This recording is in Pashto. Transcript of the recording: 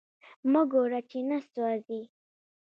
مه ګوره چی نه سوازی